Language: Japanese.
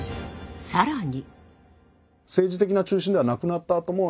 更に。